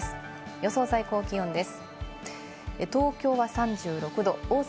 予想最高気温です。